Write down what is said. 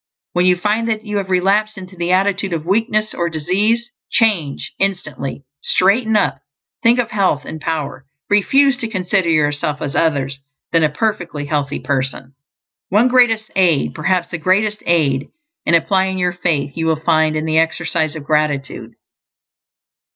When you find that you have relapsed into the attitude of weakness or disease, change instantly; straighten up; think of health and power. Refuse to consider yourself as other than a perfectly healthy person. One great aid perhaps the greatest aid in applying your faith you will find in the exercise of gratitude.